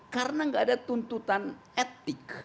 karena nggak ada tuntutan etik